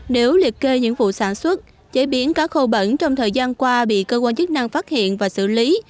nếu liệt kê những vụ sản xuất chế biến cá khô bẩn trong thời gian qua bị cơ quan chức năng phát hiện và xử lý